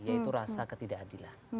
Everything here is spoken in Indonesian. yaitu rasa ketidakadilan